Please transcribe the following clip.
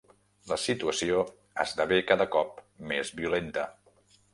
La situació esdevé cada cop més violenta.